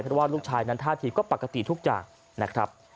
เพราะว่าลูกชายนั้นท่าทีก็ปกติทุกอย่างนะครับ